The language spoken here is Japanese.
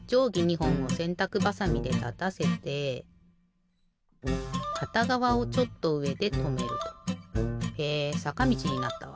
ほんをせんたくばさみでたたせてかたがわをちょっとうえでとめると。へえさかみちになったわ。